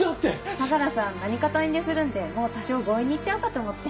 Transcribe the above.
相良さん何かと遠慮するんでもう多少強引に行っちゃおうかと思って。